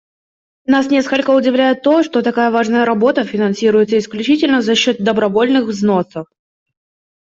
Нас несколько удивляет то, что такая важная работа финансируется исключительно за счет добровольных взносов.